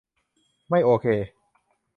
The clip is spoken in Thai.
ไม่โอเค.